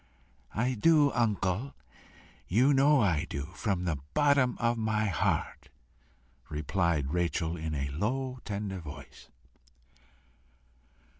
"I do, uncle; you know I do from the bottom of my heart," replied Rachel in a low tender voice.